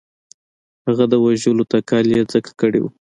هغه د وژلو تکل یې ځکه کړی وو.